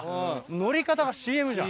乗り方がＣＭじゃん。